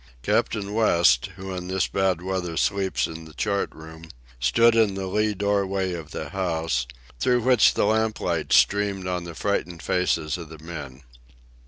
Captain West, who in this bad weather sleeps in the chart room, stood in the lee doorway of the house, through which the lamplight streamed on the frightened faces of the men.